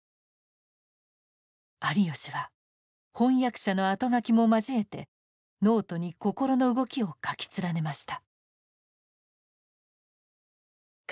有吉は翻訳者の後書きも交えてノートに心の動きを書き連ねました。